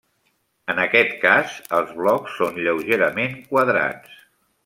En aquest cas, els blocs són lleugerament quadrats.